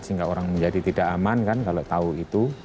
sehingga orang menjadi tidak aman kan kalau tahu itu